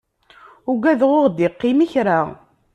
Ugadeɣ ur ɣ-d-iqqim kra.